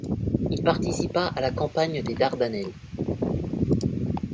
Il participa à la campagne des Dardanelles.